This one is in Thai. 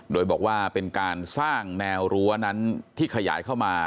โดยบอกว่าเป็นการสร้างแนวรั้วนั้นที่ขยายเข้ามา